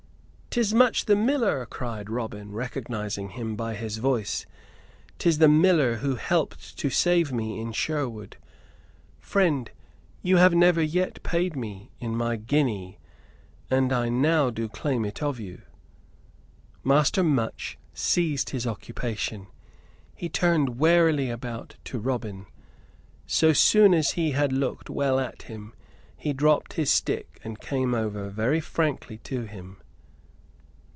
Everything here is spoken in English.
"'Tis Much the Miller!" cried Robin, recognizing him by his voice "'Tis the miller who helped to save me in Sherwood. Friend, you have never yet paid me my guinea, and I now do claim it of you." Master Much ceased his occupation. He turned warily about to Robin. So soon as he had looked well at him, he dropped his stick and came over very frankly to him.